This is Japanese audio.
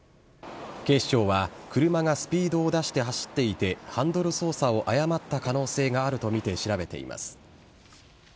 警視庁は、車がスピードを出して走っていて、ハンドル操作を誤った可能性があると見て調べています。